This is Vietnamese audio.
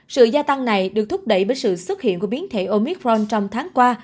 sự gia tăng này được thúc đẩy bởi sự xuất hiện của biến thể omicron trong tháng qua